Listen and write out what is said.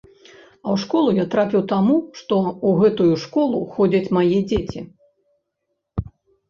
А ў школу я трапіў таму, што ў гэтую школу ходзяць мае дзеці.